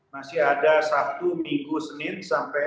masih ada sabtu minggu senin sampai